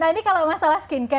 nah ini kalau masalah skin care